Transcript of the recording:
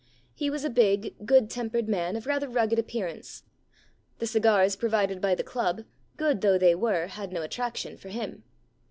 He was a big, good tempered man of rather rugged appear ance. The cigars provided by the club, good though they were, had no attraction for him.